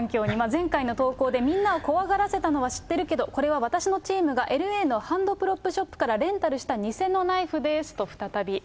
前回の投稿でみんなを怖がらせたのは知ってるけど、これは私のチームがＬＡのハンドプロップショップからレンタルした偽のナイフですと、再び。